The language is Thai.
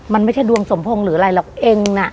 มันไม่ใช่ดวงสมพงษ์หรืออะไรหรอกเองน่ะ